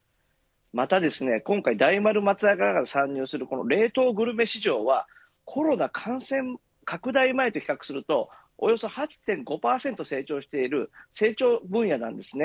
また大丸松坂屋が参入する冷凍するグルメ市場はコロナ感染拡大前と比較するとおよそ８．５％成長している成長分野です。